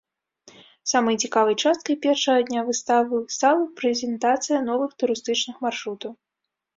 Самай цікавай часткай першага дня выставы стала прэзентацыя новых турыстычных маршрутаў.